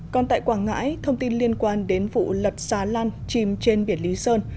còn tại quảng ngãi thông tin liên quan đến vụ lật xà lan chìm trên biển lý sơn